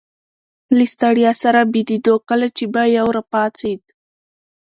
له ستړیا سره بیدېدو، کله چي به یو راپاڅېد.